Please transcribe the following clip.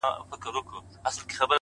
زه درته دعا سهار ماښام كوم;